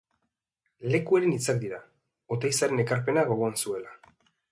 Lekueren hitzak dira, Oteizaren ekarpena gogoan zuela.